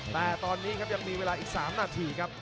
แต่ตอนนี้ครับยังมีเวลาอีก๓นาทีครับ